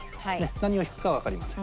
何を引くかはわかりません。